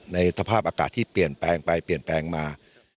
สภาพอากาศที่เปลี่ยนแปลงไปเปลี่ยนแปลงมา